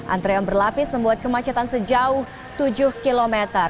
antri yang berlapis membuat kemacetan sejauh tujuh km